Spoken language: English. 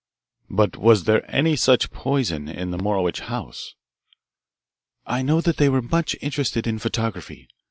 "But was there any such poison in the Morowitch house?" "I know that they were much interested in photography.